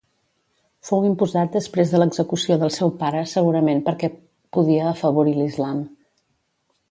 Fou imposat després de l'execució del seu pare segurament perquè podia afavorir l'islam.